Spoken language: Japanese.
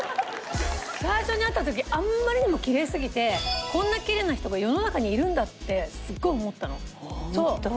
最初に会った時あんまりにもきれいすぎてこんなきれいな人が世の中にいるんだってすごい思ったの。